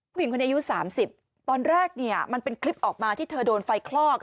ผู้หญิงคนนี้อายุ๓๐ตอนแรกเนี่ยมันเป็นคลิปออกมาที่เธอโดนไฟคลอก